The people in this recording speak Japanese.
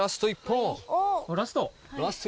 ラスト？